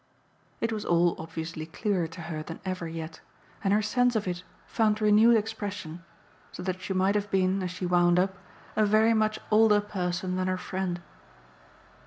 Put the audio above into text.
It was all obviously clearer to her than ever yet, and her sense of it found renewed expression; so that she might have been, as she wound up, a very much older person than her friend.